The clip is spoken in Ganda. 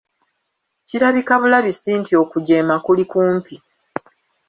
Kirabika bulabisi nti okujeema kuli kumpi.